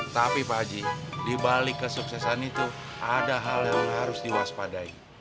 tapi pak haji dibalik kesuksesan itu ada hal yang harus diwaspadai